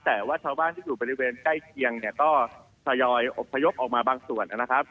แต่ว่าชาวบ้านที่อยู่บริเวณใกล้เคียงเนี่ยก็ทยอยอบพยพออกมาบางส่วนนะครับ